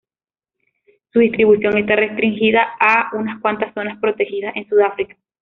Su distribución está restringida a unas cuantas zonas protegidas en Sudáfrica.